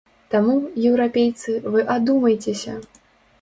Таму, еўрапейцы, вы адумайцеся!